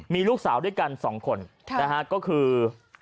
มีลูกสาวด้วยกัน๒คนนะฮะก็คือ